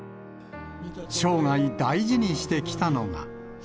生涯大事にしてきたのが。